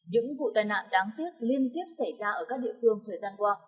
những vụ tai nạn đáng tiếc liên tiếp xảy ra ở các địa phương thời gian qua